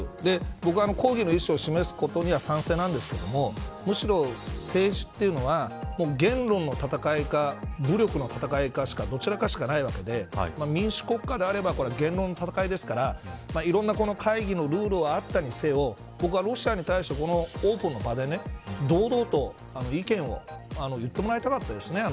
僕は抗議の意思を示すことには賛成なんですけどむしろ、政治というのは言論の戦いか、武力の戦いかしかどちらかしかないわけで民主国家であればこれは言論の戦いですからいろんな会議のルールはあったにせよ僕はロシアに対して、オープンな場で堂々と意見を言ってもらいたかったですね。